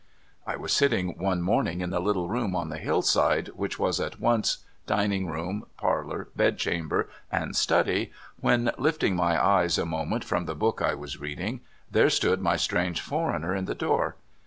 I was sitting one morning in the little room on the hillside, which was at once dining room, par lor, bedchamber, and study, when, lifting my eyes a moment from the book I was reading, there stood my strange foreigner in the door.